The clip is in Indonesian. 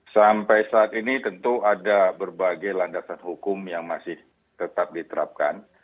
sampai saat ini tentu ada berbagai landasan hukum yang masih tetap diterapkan